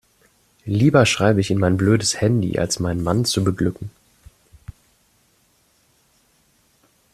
Lieber schreibe ich in mein blödes Handy, als meinen Mann zu beglücken.